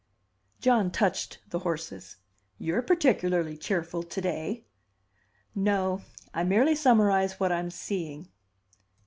John touched the horses. "You're particularly cheerful to day!" "No. I merely summarize what I'm seeing."